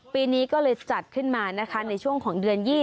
ปีนี้ก็เลยจัดขึ้นมานะคะในช่วงของเดือน๒๐